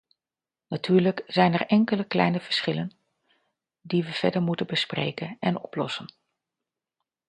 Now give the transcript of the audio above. Natuurlijk zijn er nog enkele kleine verschillen die we verder moeten bespreken en oplossen.